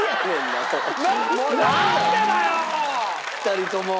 ２人とも。